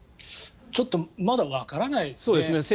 ちょっとまだわからないですね。